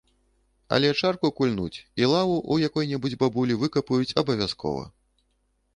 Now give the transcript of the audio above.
Але чарку кульнуць і лаву ў якой-небудзь бабулі выкапаюць абавязкова.